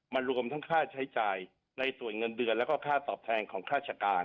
มันรวมทั้งค่าใช้จ่ายในส่วนเงินเดือนแล้วก็ค่าตอบแทนของราชการ